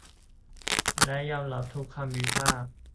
และยอมรับทุกคำวิพากษ์